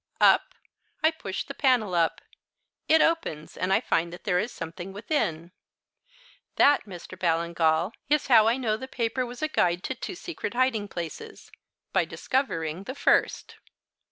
'Up' I push the panel up; it opens, and I find that there is something within. That, Mr. Ballingall, is how I know the paper was a guide to two secret hiding places by discovering the first.